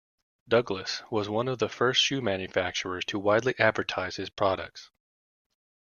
Douglas was one of the first shoe manufacturers to widely advertise his products.